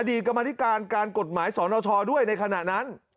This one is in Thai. กรรมธิการการกฎหมายสนชด้วยในขณะนั้น